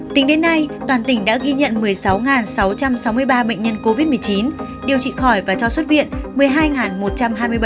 tính đến nay toàn tỉnh đã ghi nhận một mươi sáu sáu trăm sáu mươi ba bệnh nhân covid một mươi chín điều trị khỏi và cho xuất viện một mươi hai một trăm hai mươi ba bệnh